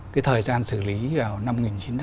cái thời gian xử lý vào năm một nghìn chín trăm tám mươi